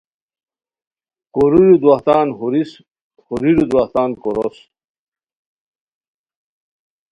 کوریرو دواہتان ہوریس، ہوریرو دواہتان کوروس